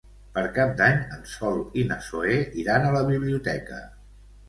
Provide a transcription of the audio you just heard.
Per Cap d'Any en Sol i na Zoè iran a la biblioteca.